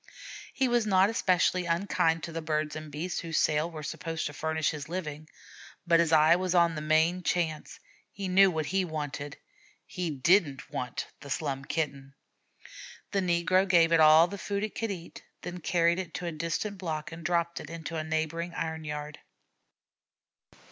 He was not especially unkind to the birds and beasts whose sales were supposed to furnish his living, but his eye was on the main chance; he knew what he wanted. He didn't want the Slum Kitten. The negro gave it all the food it could eat, then carried it to a distant block and dropped it in a neighboring iron yard.